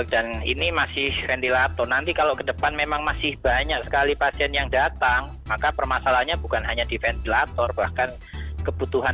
dan ini masih ventilator nanti kalau ke depan memang masih banyak sekali pasien yang datang maka permasalahannya bukan hanya di ventilator bahkan kebutuhan